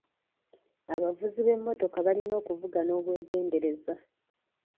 Abavuzi b'emmotoka balina okuvuga n'obwegendereza.